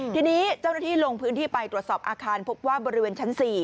ทีนี้เจ้าหน้าที่ลงพื้นที่ไปตรวจสอบอาคารพบว่าบริเวณชั้น๔